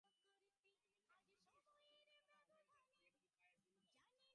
নবীন বললে, বউদিদি, প্রণাম করতে এসেছি, একটু পায়ের ধুলো দাও।